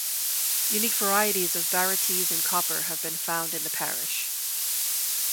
Unique varieties of barytes and copper have been found in the parish.